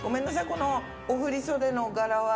このお振袖の柄は。